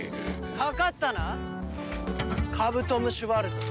かかったなカブトムシワルド。